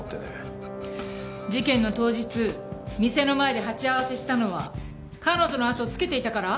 事件の当日店の前で鉢合わせしたのは彼女の後をつけていたから？